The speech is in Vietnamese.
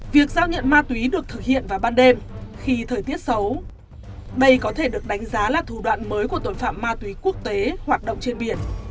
việc giao nhận ma túy được thực hiện vào ban đêm khi thời tiết xấu đây có thể được đánh giá là thủ đoạn mới của tội phạm ma túy quốc tế hoạt động trên biển